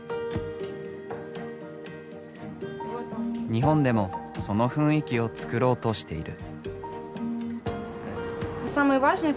日本でもその雰囲気を作ろうとしている。